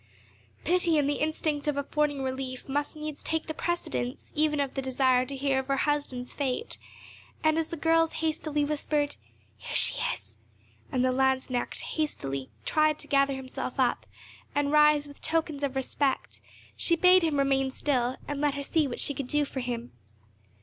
Pity and the instinct of affording relief must needs take the precedence even of the desire to hear of her husband's fate; and, as the girls hastily whispered, "Here she is," and the lanzknecht hastily tried to gather himself up, and rise with tokens of respect; she bade him remain still, and let her see what she could do for him.